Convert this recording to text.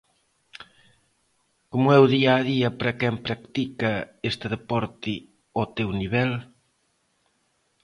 Como é o día a día para quen practica este deporte ao teu nivel?